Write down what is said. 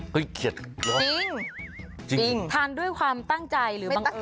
โปรดติดตามตอนต่อไป